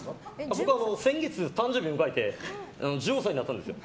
僕、先月、誕生日を迎えて１５歳になったんですよ。